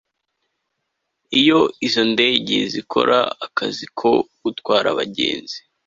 iyo izo ndege zikora akazi ko gutwara abagenzi